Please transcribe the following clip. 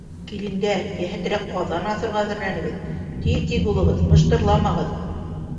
— Килендәр, йәһәтерәк ҡаҙан аҫырға әҙерләнегеҙ, тиҙ-тиҙ булығыҙ, мыштырламағыҙ!